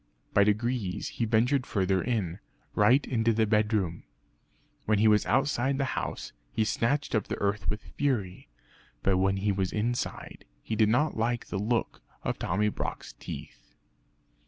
By degrees he ventured further in right into the bedroom. When he was outside the house, he scratched up the earth with fury. But when he was inside he did not like the look of Tommy Brock's teeth.